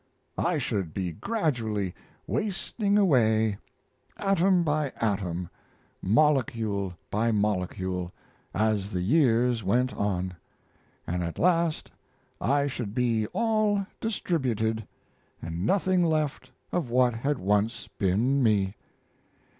I should be gradually wasting away, atom by atom, molecule by molecule, as the years went on, and at last I should be all distributed, and nothing left of what had once been Me.